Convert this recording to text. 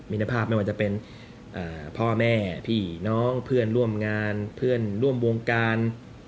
ภาพไม่ว่าจะเป็นพ่อแม่พี่น้องเพื่อนร่วมงานเพื่อนร่วมวงการ